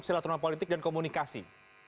silaturahmi politik dan komunikasi